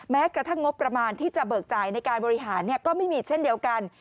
แม้กระทั่งงบประมาณที่จะเบิกจ่ายในการบริหารก็ไม่มีเช่นเดียวกัน